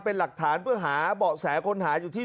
เป็นหลักฐานเพื่อหาเบาะแสคนหาอยู่ที่